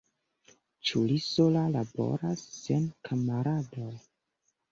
Ĉu li sola laboras, sen kamaradoj?